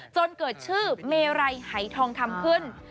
จนเกิดชื่อเมไรหายทองคำขึ้น